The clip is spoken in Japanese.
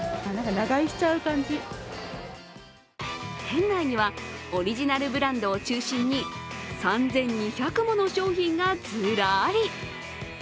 店内にはオリジナルブランドを中心に３２００もの商品がズラリ。